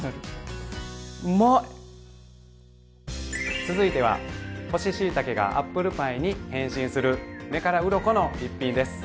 続いては干ししいたけがアップルパイに変身する目からうろこの一品です。